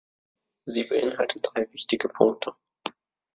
Sie beinhaltet drei wichtige Punkte.